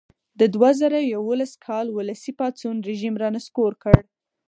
د دوه زره یوولس کال ولسي پاڅون رژیم را نسکور کړ.